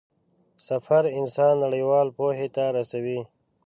سفر انسان نړيوالې پوهې ته رسوي.